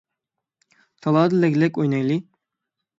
تالادا لەگلەك ئوينايلى.